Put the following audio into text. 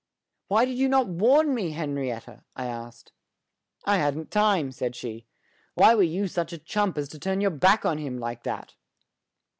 "Why did you not warn me, Henrietta?" I asked. "I hadn't time," said she. "Why were you such a chump as to turn your back on him like that?"